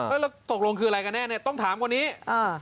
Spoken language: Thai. เออหรือตกลงคืออะไรกันแน่ต้องถามคนนี้เอ่อ